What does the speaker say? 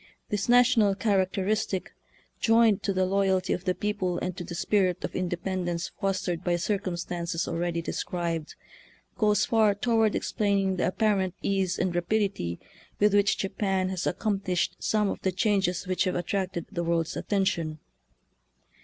This national characteris tic, joined to the loyalty of the people and to the spirit of independence fostered by circumstances already described, goes far toward explaining the apparent ease and rapidity with which Japan has ac complished some of the changes which have attracted the world's attention.